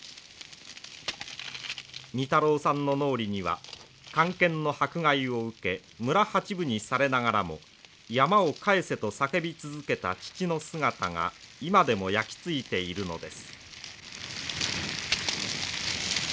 仁太郎さんの脳裏には官憲の迫害を受け村八分にされながらも山を返せと叫び続けた父の姿が今でも焼き付いているのです。